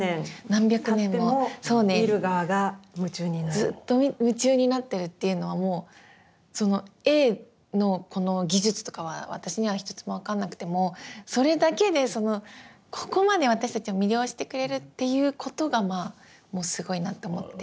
ずっと夢中になってるっていうのはもうその絵のこの技術とかは私には１つも分かんなくてもそれだけでここまで私たちを魅了してくれるっていうことがまあもうすごいなって思って。